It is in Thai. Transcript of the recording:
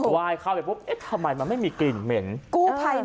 ว่ายเข้าไปปุ๊บเอ๊ะทำไมมันไม่มีกลิ่นเหม็นกู้ภัย